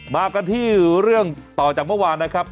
มากันที่เรื่องต่อจากเมื่อวานนะครับ